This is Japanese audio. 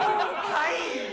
はい？